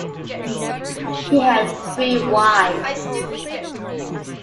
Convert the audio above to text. He had three wives.